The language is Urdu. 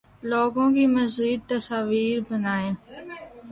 لوگوں کی مزید تصاویر بنائیں